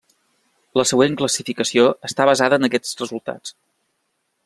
La següent classificació està basada en aquests resultats.